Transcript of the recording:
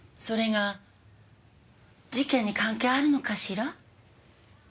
それが事件に関係あるのかしら？